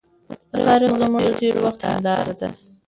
تاريخ زموږ د تېر وخت هنداره ده.